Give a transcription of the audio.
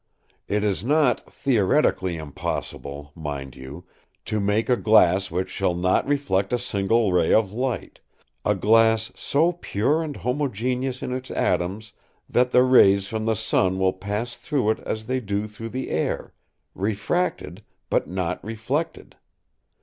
It is not theoretically impossible, mind you, to make a glass which shall not reflect a single ray of light—a glass so pure and homogeneous in its atoms that the rays from the sun will pass through it as they do through the air, refracted but not reflected.